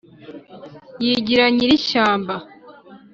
yigira nyirishyamba